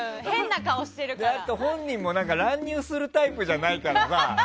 だって、本人も乱入するタイプじゃないからさ。